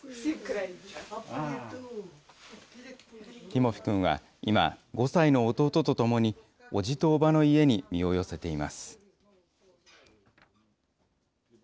ティモフィ君は今、５歳の弟とともに、おじとおばの家に身を寄せています。